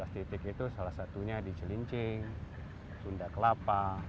empat belas titik itu salah satunya di celincing sunda kelapa